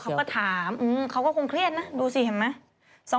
เขาก็ถามเขาก็คงเครียดนะดูสิเห็นไหม